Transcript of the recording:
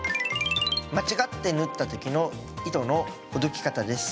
間違って縫った時の糸のほどき方です。